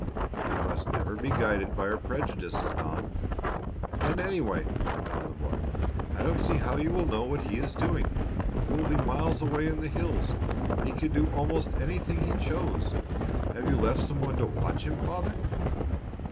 "We must never be guided by our prejudices, Don." "And anyway," went on the boy, "I don't see how you will know what he is doing. You will be miles away in the hills. He could do almost anything he chose. Have you left some one to watch him, father?"